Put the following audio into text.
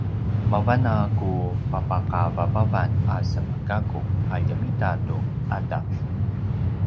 mavan a ku papakavavavan a semagakku a ljemita tu ’adav